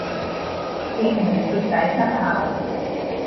疫苗徹底失效